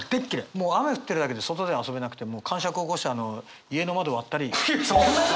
もう雨降ってるだけで外で遊べなくてもうかんしゃく起こしてあの家の窓割ったり。